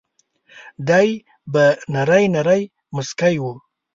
دای به نری نری مسکی و.